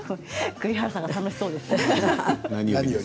栗原さんが楽しそうです。